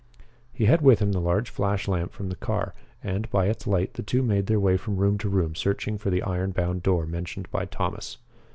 He had with him the large flashlamp from the car, and, by its light, the two made their way from room to room searching for the iron bound door mentioned by Thomas.